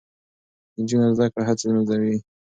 د نجونو زده کړه هڅې منظموي.